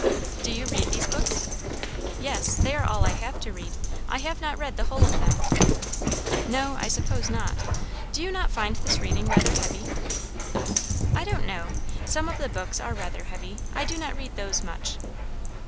"Do you read these books?" "Yes. They are all I have to read. I have not read the whole of them." "No, I suppose not. Do you not find this reading rather heavy?" "I don't know. Some of the books are rather heavy; I do not read those much."